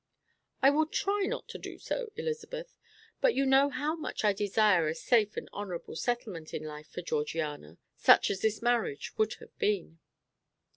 "I will try not to do so, Elizabeth; but you know how much I desire a safe and honourable settlement in life for Georgiana, such as this marriage would have been."